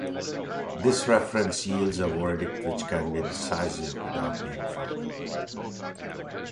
This reference yields a verdict which can be decisive without being final.